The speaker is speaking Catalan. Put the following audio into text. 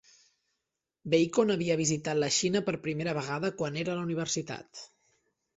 Bacon havia visitat la Xina per primera vegada quan era la universitat.